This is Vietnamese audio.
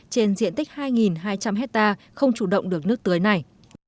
trên diện tích hai hai trăm linh hectare không chủ động được nước tưới này